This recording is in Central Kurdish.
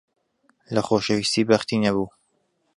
لە خۆشەویستی بەختی نەبوو.